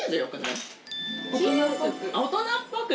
大人っぽく！